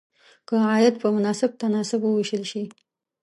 که عاید په مناسب تناسب وویشل شي.